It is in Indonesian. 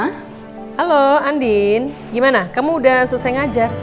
halo andin gimana kamu udah selesai ngajar